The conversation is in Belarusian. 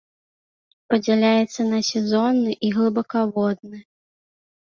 Падзяляецца на сезонны і глыбакаводны.